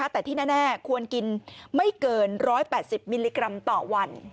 แต่ที่แน่ควรกินไม่เกิน๑๘๐มิลลิกรัมต่อวัน